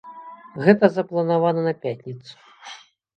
Гэта запланавана на пятніцу.